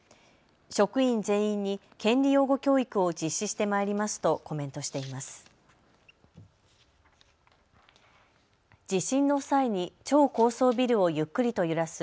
職員全員に権利擁護教育を実施してまいりますとコメントしています。